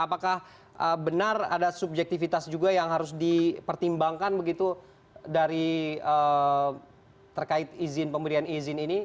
apakah benar ada subjektivitas juga yang harus dipertimbangkan begitu terkait izin pemberian izin ini